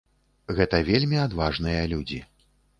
Гэта вельмі адважныя людзі.